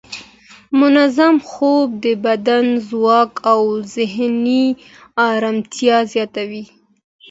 منظم خوب د بدن ځواک او ذهني ارامتیا زیاتوي.